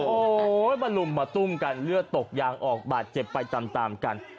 โอ้โหมาลุมมาตุ้มกันเลือดตกยางออกบาดเจ็บไปตามกัน